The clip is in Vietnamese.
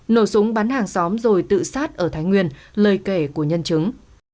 nổ súng bắn hàng xóm rồi tự sát ở thái nguyên lời kể của nhân chứng